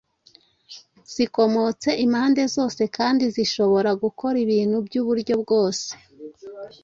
zikomotse impande zose kandi zishobora gukora ibintu by’uburyo bwose.